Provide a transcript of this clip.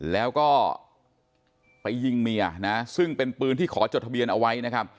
แล้วก็ไปยิงเมียนะซึ่งเป็นปืนที่ขอจดทะเบียนเอาไว้นะครับ